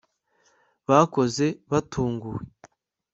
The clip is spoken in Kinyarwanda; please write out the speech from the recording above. bakoze batunguwe